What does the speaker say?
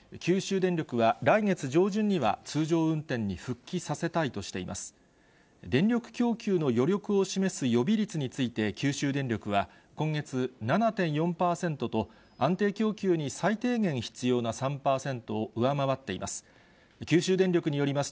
電力供給の余力を示す予備率について九州電力は今月、７．４％と、安定供給に最低限必要な３％を上回っています。